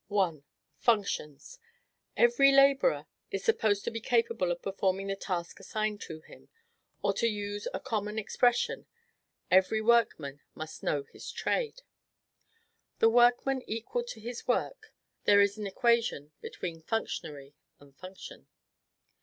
I. FUNCTIONS. Every laborer is supposed to be capable of performing the task assigned to him; or, to use a common expression, "every workman must know his trade." The workman equal to his work, there is an equation between functionary and function.